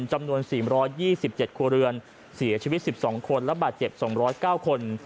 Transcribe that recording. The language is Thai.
จำนวน๔๒๗ครัวเรือนเสียชีวิต๑๒คนและบาดเจ็บ๒๐๙คน